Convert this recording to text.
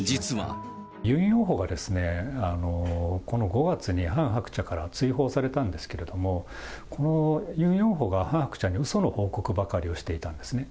ユン・ヨンホは、この５月にハン・ハクチャから追放されたんですけれども、このユン・ヨンホが、ハン・ハクチャにうその報告ばかりをしていたんですね。